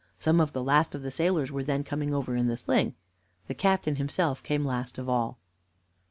Some of the last of the sailors were then coming over in the sling. The captain himself came last of all.